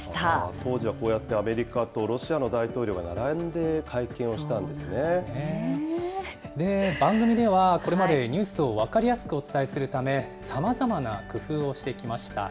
当時はこうやって、アメリカとロシアの大統領が並んで会見を番組では、これまでニュースを分かりやすくお伝えするため、さまざまな工夫をしてきました。